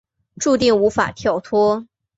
注定无法跳脱